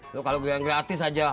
lu kalau bilang gratis aja